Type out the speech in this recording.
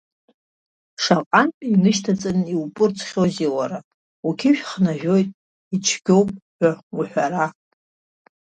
Шаҟантә унышьҭаҵан иуԥырҵхьои уара, уқьышә хнажәоит, ицәгьоуп ҳәа уҳәара!